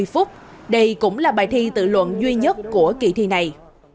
một trăm hai mươi phút đây cũng là bài thi tự luận duy nhất của kỳ thi này